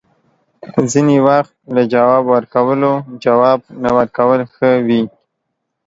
ځینې وخت له جواب ورکولو، جواب نه ورکول ښه وي